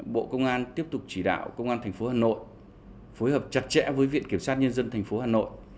bộ công an tiếp tục chỉ đạo công an tp hà nội phối hợp chặt chẽ với viện kiểm sát nhân dân tp hà nội